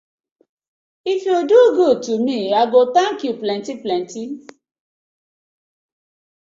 If yu do good to me, I go tank yu plenty plenty.